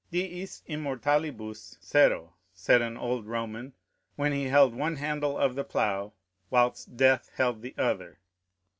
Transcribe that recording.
"Diis immortalibus sero," said an old Roman, when he held one handle of the plough, whilst Death held the other.